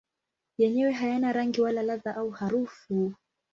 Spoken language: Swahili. Yenyewe hayana rangi wala ladha au harufu.